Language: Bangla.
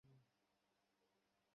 দুঃখিত, তাকে আপনার কথা বলেছিলাম।